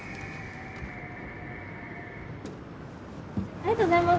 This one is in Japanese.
ありがとうございます。